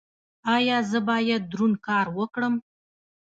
ایا زه باید دروند کار وکړم؟